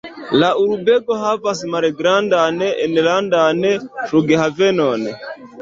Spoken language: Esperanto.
La urbego havas malgrandan enlandan flughavenon.